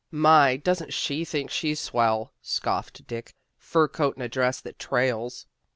" My! Doesn't she think she's swell," scoffed Dick. " Fur coat and a dress that trails."